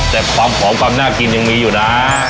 แต่ความหอมความน่ากินยังมีอยู่นะ